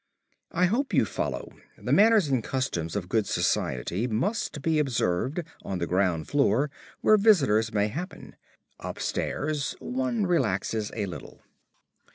I hope you follow. The manners and customs of good society must be observed on the ground floor where visitors may happen; upstairs one relaxes a little.